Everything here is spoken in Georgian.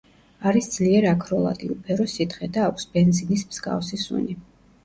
არის ძლიერ აქროლადი, უფერო სითხე და აქვს ბენზინის მსგავსი სუნი.